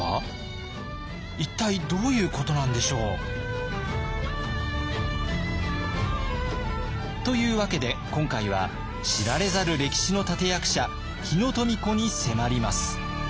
一体どういうことなんでしょう？というわけで今回は知られざる歴史の立役者日野富子に迫ります。